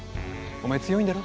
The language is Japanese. お前強いんだろ？